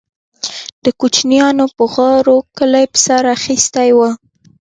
د كوچنيانو بوغارو كلى په سر اخيستى و.